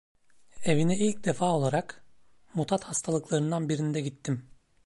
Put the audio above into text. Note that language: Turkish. Evine ilk defa olarak, mutat hastalıklarından birinde gittim.